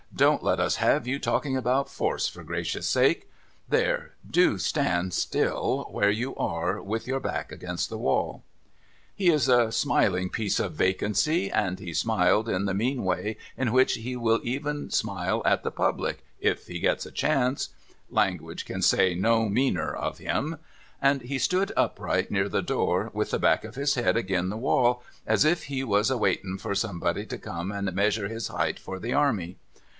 ' Don't let us have you talking about force, for Gracious' sake. There ! Do stand still where you are, with your back against the wall.' He is a smiling piece of vacancy, and he smiled in the mean way in which he will even smile at the public if he gets a chance (language can say no meaner of him), and he stood upright near the door with the back of his head agin the wall, as if he was a waiting for somebody to come and measure his heighth for the Army.